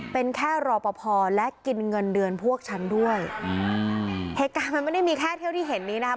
เป็นแค่รอปภและกินเงินเดือนพวกฉันด้วยอืมเหตุการณ์มันไม่ได้มีแค่เท่าที่เห็นนี้นะครับ